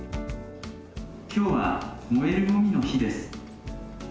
きょうは燃えるごみの日です。